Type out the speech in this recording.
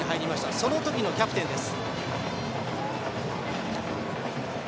その時のキャプテンです。